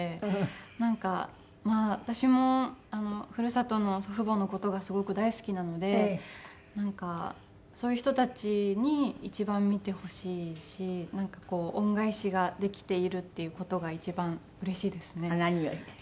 なんか私もふるさとの祖父母の事がすごく大好きなのでなんかそういう人たちに一番見てほしいし恩返しができているっていう事が一番うれしいですね。